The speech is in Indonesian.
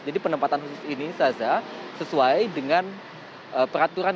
jadi penempatan khusus ini saza sesuai dengan peraturan